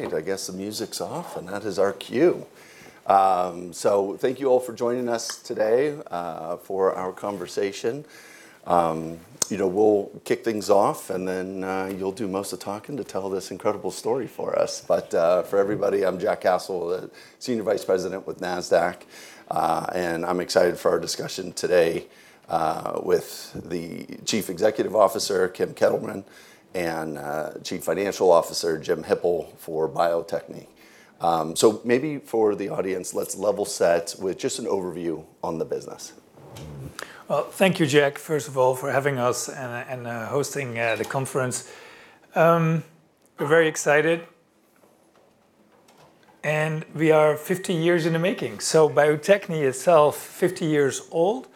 All right, I guess the music's off, and that is our cue. So thank you all for joining us today for our conversation. You know, we'll kick things off, and then you'll do most of the talking to tell this incredible story for us. But for everybody, I'm Jack Cassel, Senior Vice President with Nasdaq, and I'm excited for our discussion today with the Chief Executive Officer, Kim Kelderman, and Chief Financial Officer, Jim Hippel, for Bio-Techne. So maybe for the audience, let's level set with just an overview on the business. Thank you, Jack, first of all, for having us and hosting the conference. We're very excited, and we are 50 years in the making. Bio-Techne itself, 50 years old.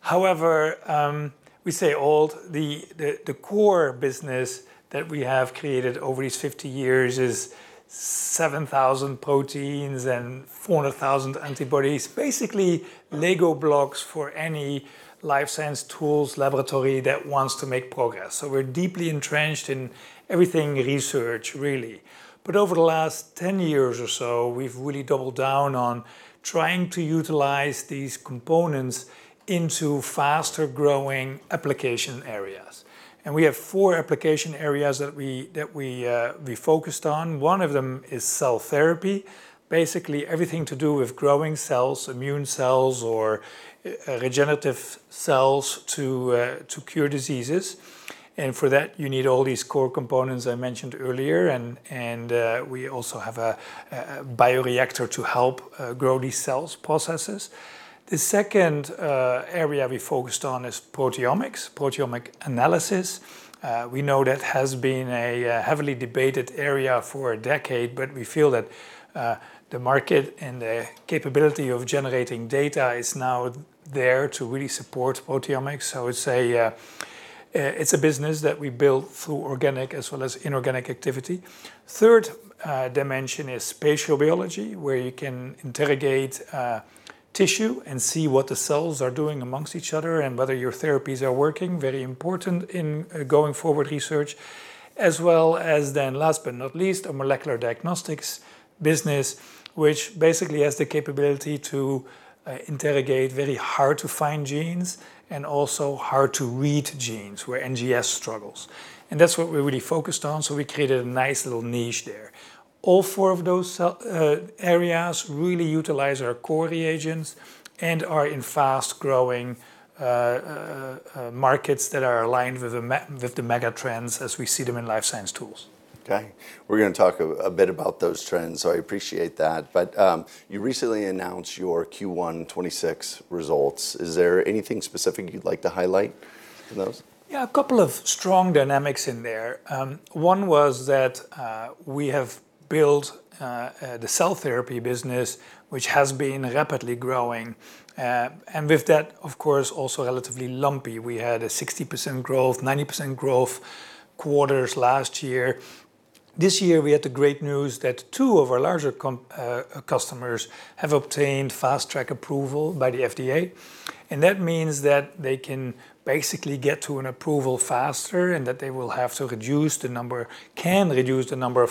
However, we say old, the core business that we have created over these 50 years is 7,000 proteins and 400,000 antibodies, basically Lego blocks for any life science tools laboratory that wants to make progress. We're deeply entrenched in everything research, really. But over the last 10 years or so, we've really doubled down on trying to utilize these components into faster growing application areas. We have four application areas that we focused on. One of them is cell therapy, basically everything to do with growing cells, immune cells, or regenerative cells to cure diseases. And for that, you need all these core components I mentioned earlier, and we also have a Bioreactor to help grow these cell processes. The second area we focused on is proteomics, proteomic analysis. We know that has been a heavily debated area for a decade, but we feel that the market and the capability of generating data is now there to really support proteomics. So it's a business that we build through organic as well as inorganic activity. The third dimension is Spatial Biology, where you can interrogate tissue and see what the cells are doing amongst each other and whether your therapies are working, very important in going forward research, as well as then, last but not least, a molecular diagnostics business, which basically has the capability to interrogate very hard-to-find genes and also hard-to-read genes, where NGS struggles. And that's what we're really focused on, so we created a nice little niche there. All four of those areas really utilize our core reagents and are in fast-growing markets that are aligned with the mega trends as we see them in life science tools. Okay. We're going to talk a bit about those trends, so I appreciate that. But you recently announced your Q1 2026 results. Is there anything specific you'd like to highlight in those? Yeah, a couple of strong dynamics in there. One was that we have built the cell therapy business, which has been rapidly growing. And with that, of course, also relatively lumpy. We had a 60% growth, 90% growth quarters last year. This year, we had the great news that two of our larger customers have obtained Fast Track approval by the FDA. And that means that they can basically get to an approval faster and that they will have to reduce the number, can reduce the number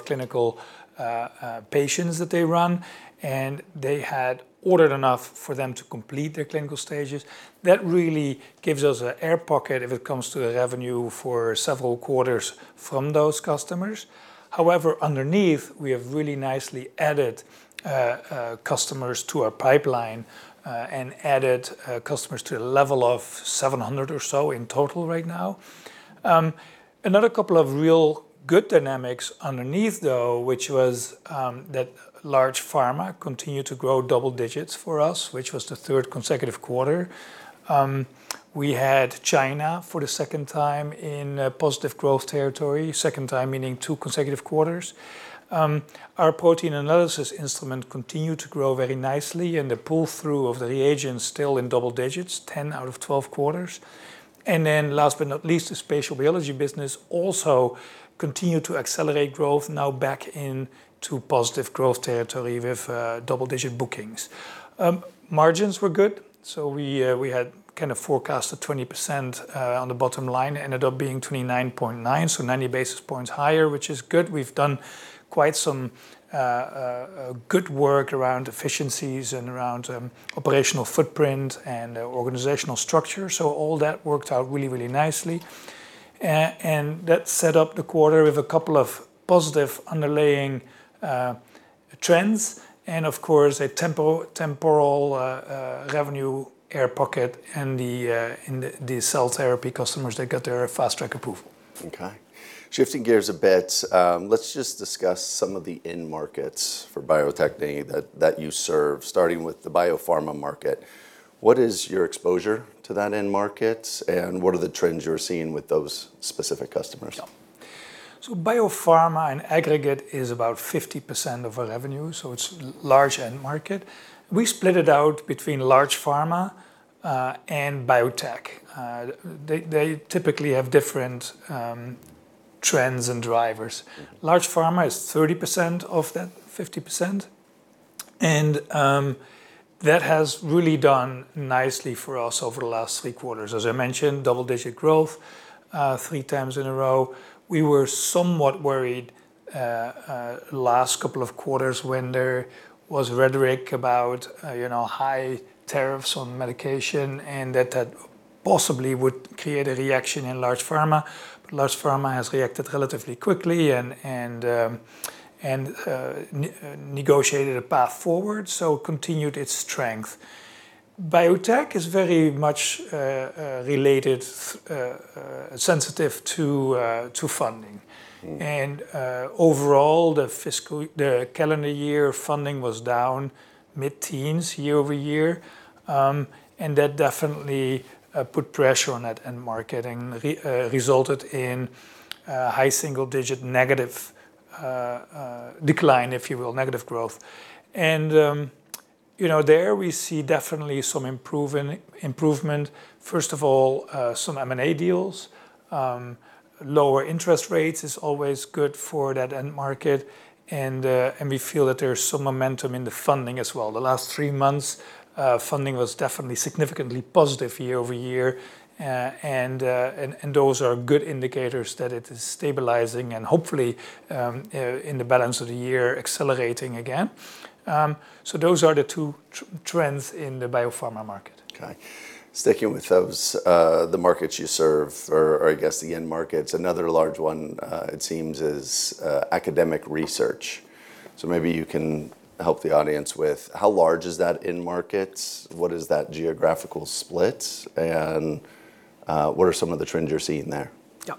of clinical patients that they run, and they had ordered enough for them to complete their clinical stages. That really gives us an air pocket if it comes to the revenue for several quarters from those customers. However, underneath, we have really nicely added customers to our pipeline and added customers to the level of 700 or so in total right now. Another couple of real good dynamics underneath, though, which was that large pharma continued to grow double-digits for us, which was the third consecutive quarter. We had China for the second time in positive growth territory, second time meaning two consecutive quarters. Our protein analysis instrument continued to grow very nicely, and the pull-through of the reagents is still in double-digits, 10 out of 12 quarters. And then, last but not least, the Spatial Biology business also continued to accelerate growth, now back into positive growth territory with double-digit bookings. Margins were good, so we had kind of forecast a 20% on the bottom line, ended up being 29.9%, so 90 basis points higher, which is good. We've done quite some good work around efficiencies and around operational footprint and organizational structure. So all that worked out really, really nicely. That set up the quarter with a couple of positive underlying trends and, of course, a temporal revenue air pocket in the cell therapy customers that got their Fast Track approval. Okay. Shifting gears a bit, let's just discuss some of the end-markets for Bio-Techne that you serve, starting with the biopharma market. What is your exposure to that end-market, and what are the trends you're seeing with those specific customers? Biopharma in aggregate is about 50% of our revenue, so it's a large end-market. We split it out between large pharma and biotech. They typically have different trends and drivers. Large pharma is 30% of that 50%, and that has really done nicely for us over the last three quarters. As I mentioned, double-digit growth three times in a row. We were somewhat worried last couple of quarters when there was rhetoric about high tariffs on medication and that that possibly would create a reaction in large pharma. But large pharma has reacted relatively quickly and negotiated a path forward, so continued its strength. Biotech is very much related, sensitive to funding. And overall, the calendar year funding was down mid-teens year-over-year, and that definitely put pressure on that end-market and resulted in high single-digit negative decline, if you will, negative growth. And there we see definitely some improvement. First of all, some M&A deals, lower interest rates is always good for that end-market, and we feel that there's some momentum in the funding as well. The last three months, funding was definitely significantly positive year-over-year, and those are good indicators that it is stabilizing and hopefully in the balance of the year accelerating again. So those are the two trends in the biopharma market. Okay. Sticking with those, the markets you serve are, I guess, the end-markets. Another large one, it seems, is academic research. So maybe you can help the audience with how large is that end-market? What is that geographical split? And what are some of the trends you're seeing there? Yeah.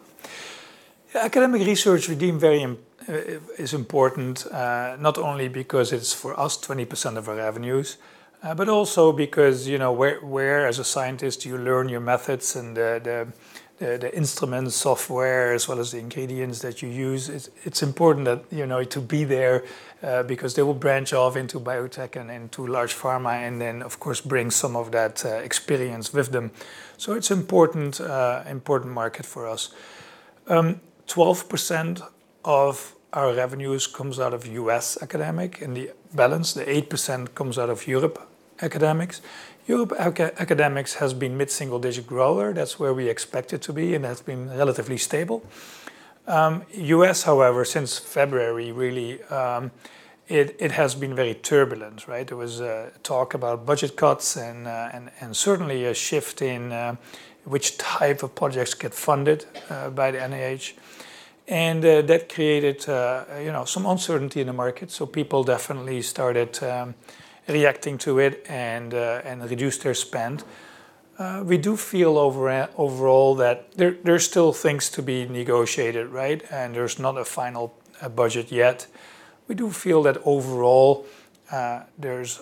Academic research is important, not only because it's for us 20% of our revenues, but also because where, as a scientist, you learn your methods and the instruments, software, as well as the ingredients that you use. It's important to be there because they will branch off into biotech and into large pharma and then, of course, bring some of that experience with them. So it's an important market for us. 12% of our revenues comes out of U.S. academic in the balance. The 8% comes out of Europe academics. Europe academics has been mid-single-digit grower. That's where we expect it to be, and it's been relatively stable. U.S., however, since February, really, it has been very turbulent. There was talk about budget cuts and certainly a shift in which type of projects get funded by the NIH. And that created some uncertainty in the market, so people definitely started reacting to it and reduced their spend. We do feel overall that there's still things to be negotiated, and there's not a final budget yet. We do feel that overall, there's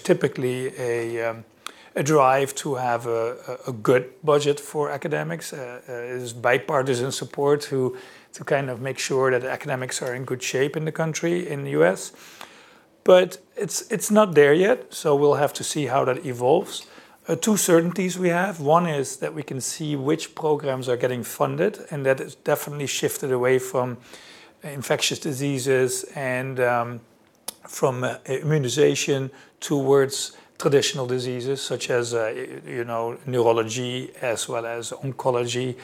typically a drive to have a good budget for academics, bipartisan support to kind of make sure that academics are in good shape in the country, in the U.S. But it's not there yet, so we'll have to see how that evolves. Two certainties we have. One is that we can see which programs are getting funded, and that has definitely shifted away from infectious diseases and from immunization towards traditional diseases such as neurology as well as oncology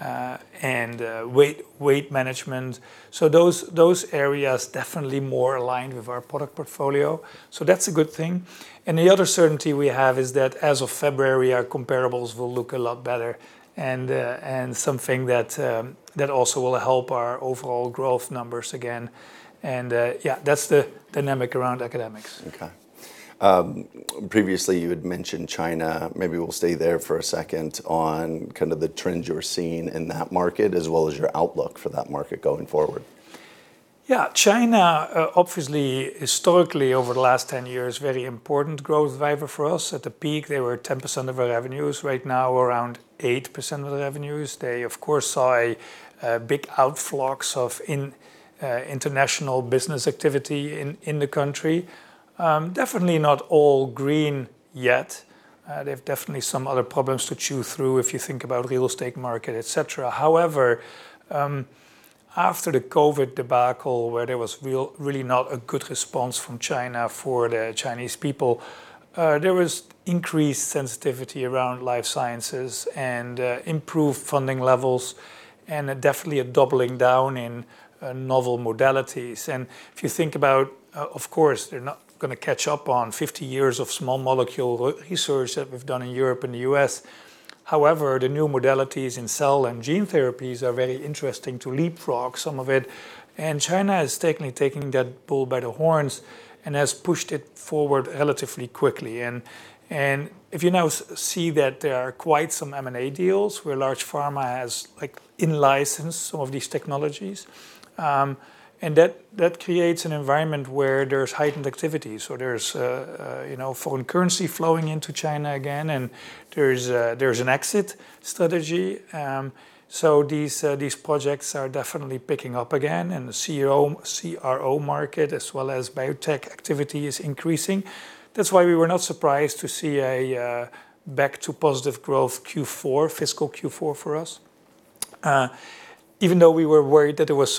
and weight management. So those areas definitely more aligned with our product portfolio. So that's a good thing. The other certainty we have is that as of February, our comparables will look a lot better and something that also will help our overall growth numbers again. Yeah, that's the dynamic around academics. Okay. Previously, you had mentioned China. Maybe we'll stay there for a second on kind of the trends you're seeing in that market as well as your outlook for that market going forward. Yeah. China, obviously, historically over the last 10 years, very important growth driver for us. At the peak, they were 10% of our revenues. Right now, around 8% of the revenues. They, of course, saw big outflows of international business activity in the country. Definitely not all green yet. They have definitely some other problems to chew through if you think about real estate market, et cetera. However, after the COVID debacle, where there was really not a good response from China for the Chinese people, there was increased sensitivity around life sciences and improved funding levels and definitely a doubling down in novel modalities, and if you think about, of course, they're not going to catch up on 50 years of small molecule research that we've done in Europe and the U.S. However, the new modalities in cell and gene therapies are very interesting to leapfrog some of it. China is technically taking that bull by the horns and has pushed it forward relatively quickly. If you now see that there are quite some M&A deals where large pharma has in-licensed some of these technologies, and that creates an environment where there's heightened activity. There's foreign currency flowing into China again, and there's an exit strategy. These projects are definitely picking up again, and the CRO market as well as biotech activity is increasing. That's why we were not surprised to see a back-to-positive growth Q4, fiscal Q4 for us, even though we were worried that there was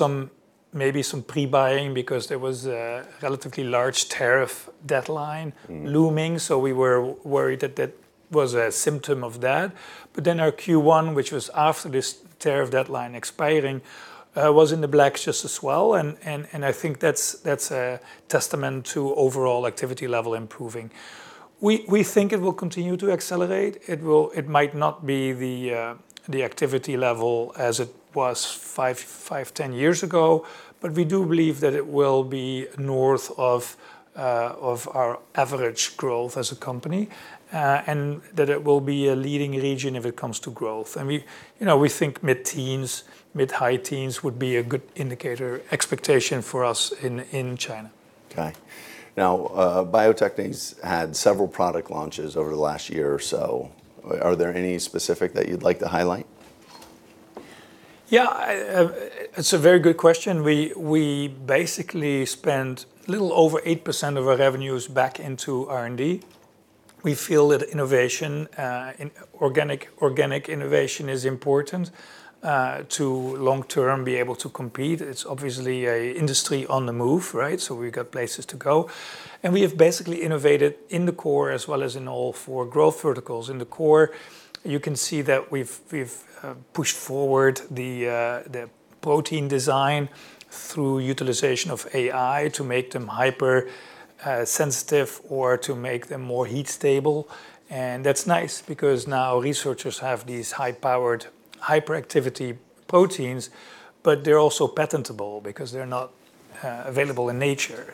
maybe some pre-buying because there was a relatively large tariff deadline looming. We were worried that that was a symptom of that. Our Q1, which was after this tariff deadline expiring, was in the black just as well. I think that's a testament to overall activity level improving. We think it will continue to accelerate. It might not be the activity level as it was five, 10 years ago, but we do believe that it will be north of our average growth as a company and that it will be a leading region if it comes to growth. We think mid-teens, mid-high teens would be a good indicator, expectation for us in China. Okay. Now, Bio-Techne has had several product launches over the last year or so. Are there any specific that you'd like to highlight? Yeah. It's a very good question. We basically spend a little over 8% of our revenues back into R&D. We feel that innovation, organic innovation, is important to long-term be able to compete. It's obviously an industry on the move, so we've got places to go. And we have basically innovated in the core as well as in all four growth verticals. In the core, you can see that we've pushed forward the protein design through utilization of AI to make them hypersensitive or to make them more heat stable. And that's nice because now researchers have these high-powered hyperactivity proteins, but they're also patentable because they're not available in nature.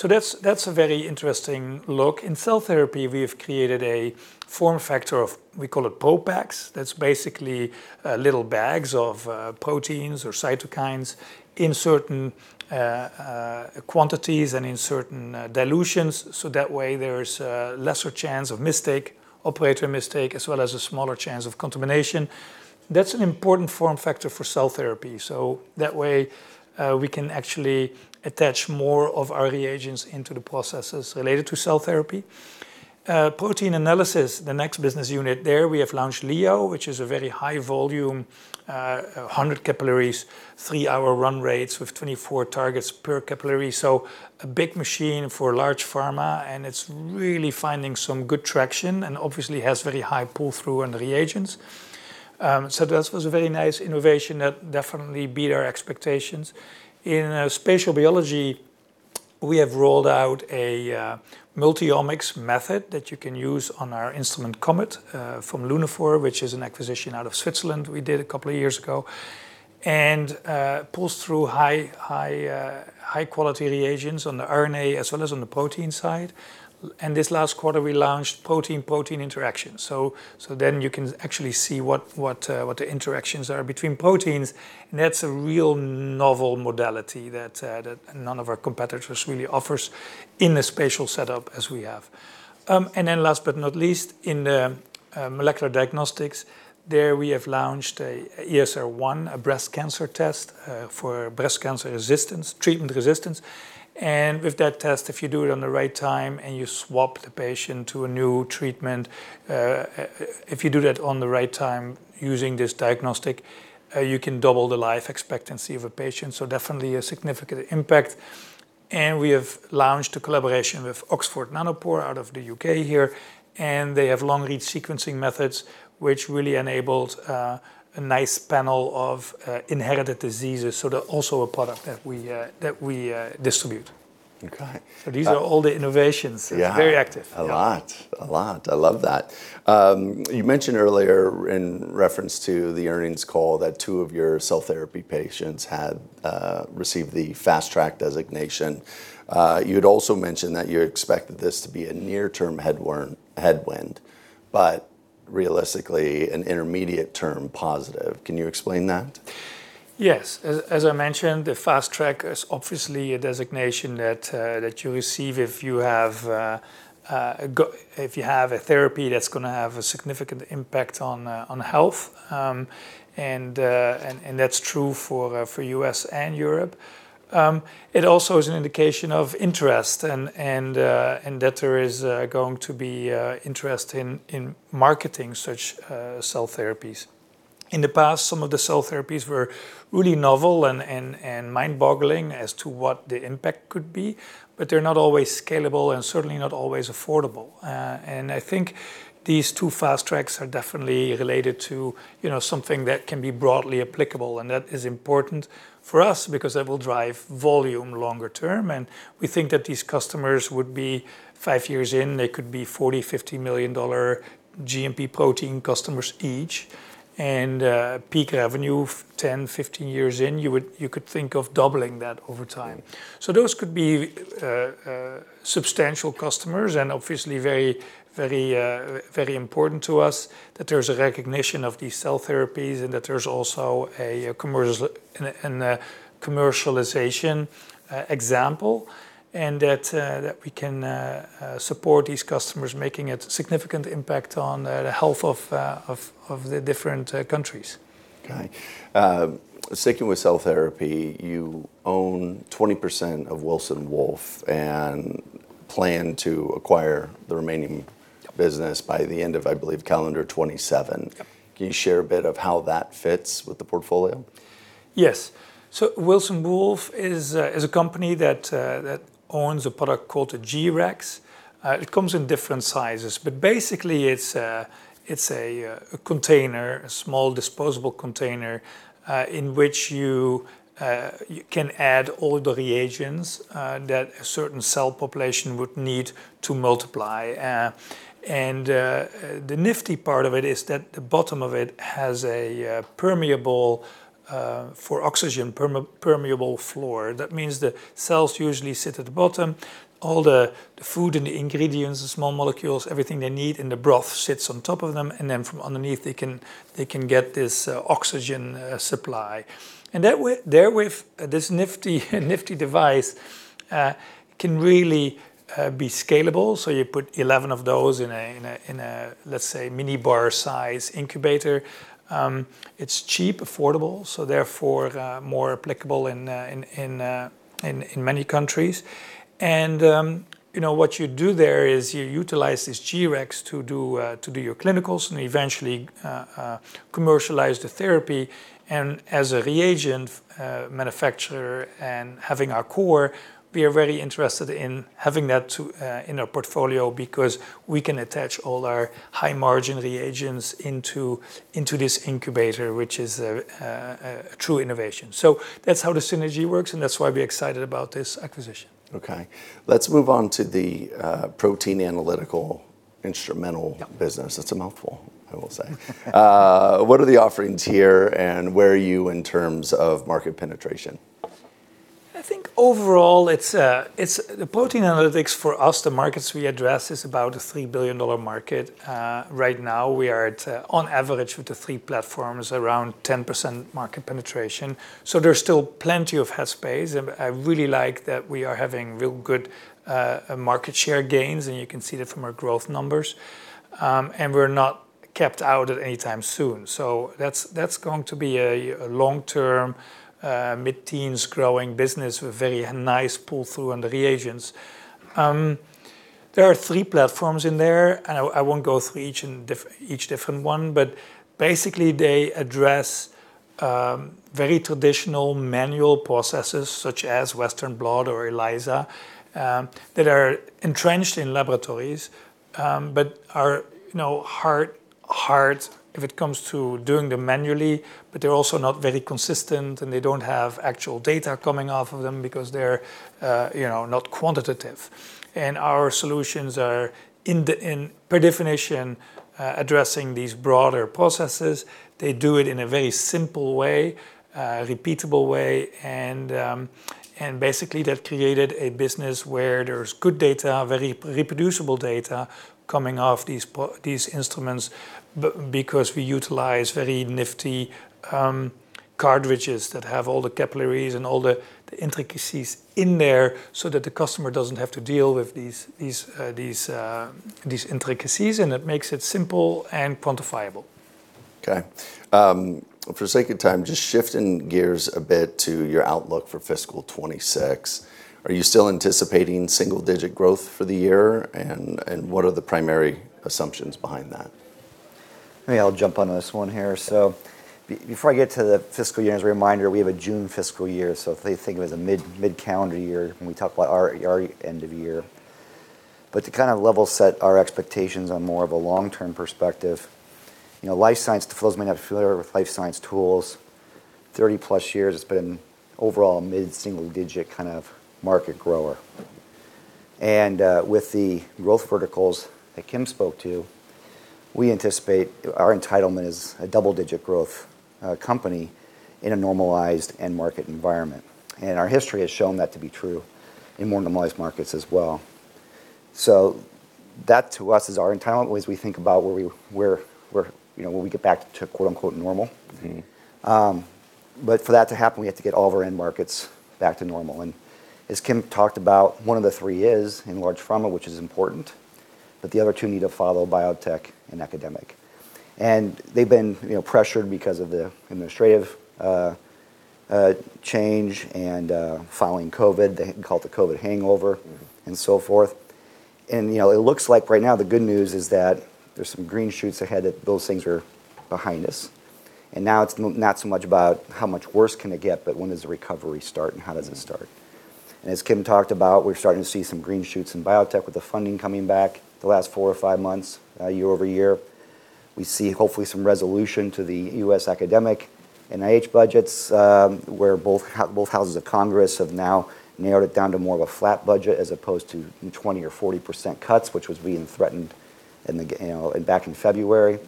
So that's a very interesting look. In cell therapy, we have created a form factor of, we call it ProPak. That's basically little bags of proteins or cytokines in certain quantities and in certain dilutions. So that way, there's a lesser chance of mistake, operator mistake, as well as a smaller chance of contamination. That's an important form factor for cell therapy. So that way, we can actually attach more of our reagents into the processes related to cell therapy. Protein analysis, the next business unit there, we have launched Leo, which is a very high volume, 100 capillaries, three-hour run rates with 24 targets per capillary. So a big machine for large pharma, and it's really finding some good traction and obviously has very high pull-through on the reagents. So that was a very nice innovation that definitely beat our expectations. In Spatial Biology, we have rolled out a multi-omics method that you can use on our instrument, COMET, from Lunaphore, which is an acquisition out of Switzerland we did a couple of years ago and pulls through high-quality reagents on the RNA as well as on the protein side. And this last quarter, we launched protein-protein interaction. So then you can actually see what the interactions are between proteins. And that's a real novel modality that none of our competitors really offers in the spatial setup as we have. And then last but not least, in the molecular diagnostics, there we have launched ESR1, a breast cancer test for breast cancer treatment resistance. With that test, if you do it on the right time and you swap the patient to a new treatment, if you do that on the right time using this diagnostic, you can double the life expectancy of a patient. So definitely a significant impact. We have launched a collaboration with Oxford Nanopore out of the U.K. here, and they have long-read sequencing methods, which really enables a nice panel of inherited diseases. So they're also a product that we distribute. These are all the innovations. It's very active. A lot. A lot. I love that. You mentioned earlier in reference to the earnings call that two of your cell therapy patients had received the Fast Track designation. You had also mentioned that you expected this to be a near-term headwind, but realistically, an intermediate-term positive. Can you explain that? Yes. As I mentioned, the Fast Track is obviously a designation that you receive if you have a therapy that's going to have a significant impact on health, and that's true for U.S. and Europe. It also is an indication of interest and that there is going to be interest in marketing such cell therapies. In the past, some of the cell therapies were really novel and mind-boggling as to what the impact could be, but they're not always scalable and certainly not always affordable, and I think these two Fast Tracks are definitely related to something that can be broadly applicable, and that is important for us because that will drive volume longer term, and we think that these customers would be five years in, they could be $40 million-$50 million GMP protein customers each. Peak revenue 10-15 years in, you could think of doubling that over time. Those could be substantial customers and obviously very important to us that there's a recognition of these cell therapies and that there's also a commercialization example and that we can support these customers, making a significant impact on the health of the different countries. Okay. Sticking with cell therapy, you own 20% of Wilson Wolf and plan to acquire the remaining business by the end of, I believe, calendar 2027. Can you share a bit of how that fits with the portfolio? Yes. So Wilson Wolf is a company that owns a product called a G-Rex. It comes in different sizes, but basically, it's a container, a small disposable container in which you can add all the reagents that a certain cell population would need to multiply. And the nifty part of it is that the bottom of it has a permeable for oxygen permeable floor. That means the cells usually sit at the bottom. All the food and the ingredients, the small molecules, everything they need in the broth sits on top of them. And then from underneath, they can get this oxygen supply. And therewith, this nifty device can really be scalable. So you put 11 of those in a, let's say, mini bar size incubator. It's cheap, affordable, so therefore more applicable in many countries. And what you do there is you utilize this G-Rex to do your clinicals and eventually commercialize the therapy. And as a reagent manufacturer and having our core, we are very interested in having that in our portfolio because we can attach all our high-margin reagents into this incubator, which is a true innovation. So that's how the synergy works, and that's why we're excited about this acquisition. Okay. Let's move on to the protein analytical instrumental business. It's a mouthful, I will say. What are the offerings here and where are you in terms of market penetration? I think overall, the protein analytics for us, the markets we address, is about a $3 billion market. Right now, we are on average with the three platforms, around 10% market penetration. So there's still plenty of headspace. I really like that we are having real good market share gains, and you can see that from our growth numbers. And we're not kept out at any time soon. So that's going to be a long-term, mid-teens growing business with very nice pull-through on the reagents. There are three platforms in there, and I won't go through each different one, but basically, they address very traditional manual processes such as Western Blot or ELISA that are entrenched in laboratories but are hard, if it comes to doing them manually. But they're also not very consistent, and they don't have actual data coming off of them because they're not quantitative. Our solutions are, per definition, addressing these broader processes. They do it in a very simple way, repeatable way. Basically, that created a business where there's good data, very reproducible data coming off these instruments because we utilize very nifty cartridges that have all the capillaries and all the intricacies in there so that the customer doesn't have to deal with these intricacies. It makes it simple and quantifiable. Okay. For the sake of time, just shifting gears a bit to your outlook for fiscal 2026. Are you still anticipating single-digit growth for the year, and what are the primary assumptions behind that? I'll jump on this one here. So before I get to the fiscal year, as a reminder, we have a June fiscal year. So they think of it as a mid-calendar year when we talk about our end of year. But to kind of level set our expectations on more of a long-term perspective, life science, for those who may not be familiar with life science tools, 30+ years, it's been overall a mid-single-digit kind of market grower. And with the growth verticals that Kim spoke to, we anticipate our entitlement is a double-digit growth company in a normalized end-market environment. And our history has shown that to be true in more normalized markets as well. So that to us is our entitlement as we think about where we get back to "normal." But for that to happen, we have to get all of our end-markets back to normal. And as Kim talked about, one of the three is in large pharma, which is important, but the other two need to follow biotech and academic. And they've been pressured because of the administrative change and following COVID. They called it the COVID hangover and so forth. And it looks like right now, the good news is that there's some green shoots ahead that those things are behind us. And now it's not so much about how much worse can it get, but when does the recovery start and how does it start? As Kim talked about, we're starting to see some green shoots in biotech with the funding coming back the last four or five months, year-over-year. We see hopefully some resolution to the U.S. academic and NIH budgets where both Houses of Congress have now narrowed it down to more of a flat budget as opposed to 20% or 40% cuts, which was being threatened back in February.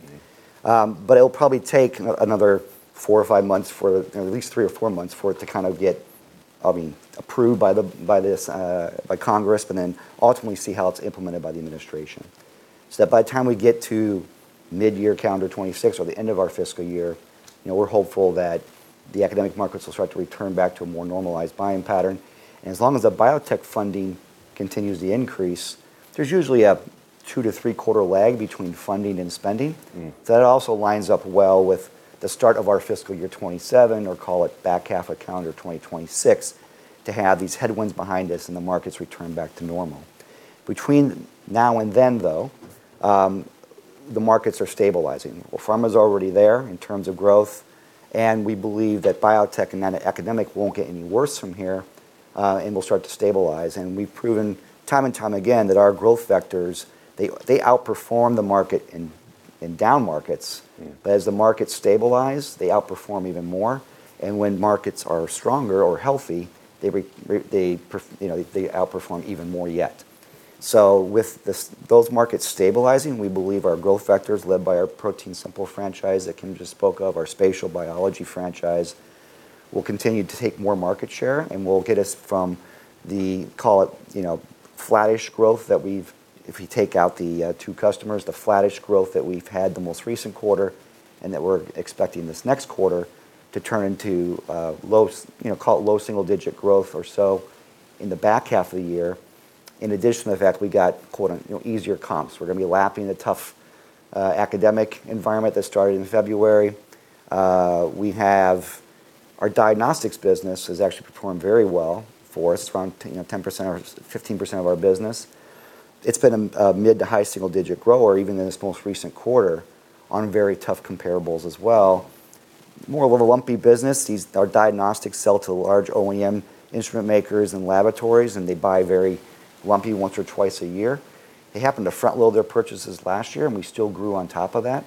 But it'll probably take another four or five months, at least three or four months for it to kind of get, I mean, approved by Congress and then ultimately see how it's implemented by the administration. So that by the time we get to mid-year calendar 2026 or the end of our fiscal year, we're hopeful that the academic markets will start to return back to a more normalized buying pattern. As long as the biotech funding continues to increase, there's usually a two-three quarter lag between funding and spending. That also lines up well with the start of our fiscal year 2027 or call it back half of calendar 2026 to have these headwinds behind us and the markets return back to normal. Between now and then, though, the markets are stabilizing, well, pharma is already there in terms of growth, and we believe that biotech and academic won't get any worse from here and will start to stabilize, and we've proven time and time again that our growth vectors, they outperform the market in down markets, but as the markets stabilize, they outperform even more, and when markets are stronger or healthy, they outperform even more yet. So with those markets stabilizing, we believe our growth vectors led by our protein sample franchise that Kim just spoke of, our Spatial Biology franchise, will continue to take more market share and will get us from the, call it, flattish growth that we've, if you take out the two customers, the flattish growth that we've had the most recent quarter and that we're expecting this next quarter to turn into, call it, low single-digit growth or so in the back half of the year. In addition to the fact we got easier comps, we're going to be lapping the tough academic environment that started in February. Our diagnostics business has actually performed very well for us, around 10% or 15% of our business. It's been a mid- to high-single-digit grower even in this most recent quarter on very tough comparables as well. More of a lumpy business. Our diagnostics sell to large OEM instrument makers and laboratories, and they buy very lumpy once or twice a year. They happened to front load their purchases last year, and we still grew on top of that.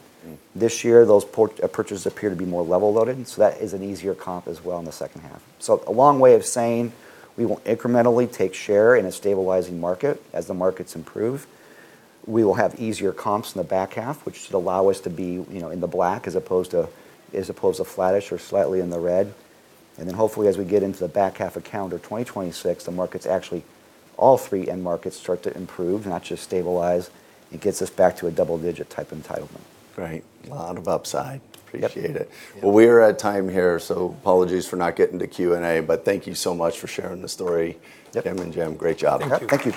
This year, those purchases appear to be more level loaded. So that is an easier comp as well in the second half. So a long way of saying we will incrementally take share in a stabilizing market as the markets improve. We will have easier comps in the back half, which should allow us to be in the black as opposed to flattish or slightly in the red. And then hopefully, as we get into the back half of calendar 2026, the markets actually, all three end-markets start to improve, not just stabilize. It gets us back to a double-digit type entitlement. Right. A lot of upside. Appreciate it. Well, we are at time here, so apologies for not getting to Q&A, but thank you so much for sharing the story, Kim and Jim. Great job. Thank you.